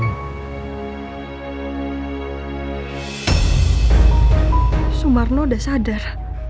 pak sumarno udah sadar